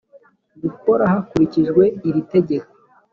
gukora hakurikijwe iri tegeko